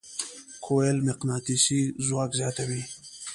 کویل مقناطیسي ځواک زیاتوي.